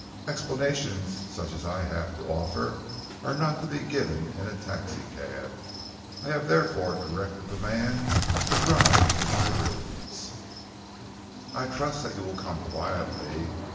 Explanations such as I have to offer are not to be given in a taxicab. I have therefore directed the man to drive to my rooms, I trust that you will come quietly.